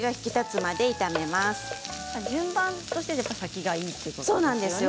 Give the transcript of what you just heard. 順番として先がいいということですね